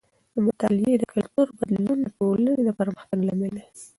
د مطالعې د کلتور بدلون د ټولنې د پرمختګ لامل دی.